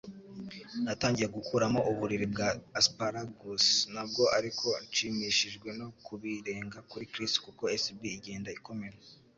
Natangiye gukuramo uburiri bwa asparagus nabwo, ariko nshimishijwe no kubirenga kuri Chris, kuko SB igenda ikomera.